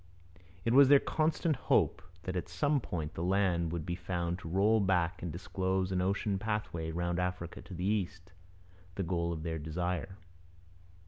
It was their constant hope that at some point the land would be found to roll back and disclose an ocean pathway round Africa to the East, the goal of their desire.